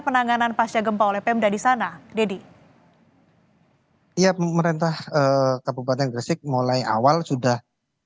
penanganan pasca gempa oleh pemda di sana deddy ya pemerintah kabupaten gresik mulai awal sudah